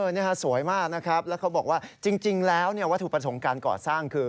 นี่ฮะสวยมากนะครับแล้วเขาบอกว่าจริงแล้ววัตถุประสงค์การก่อสร้างคือ